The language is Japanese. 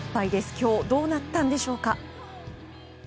今日、どうなったんでしょうか。